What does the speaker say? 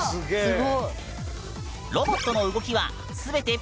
すごい。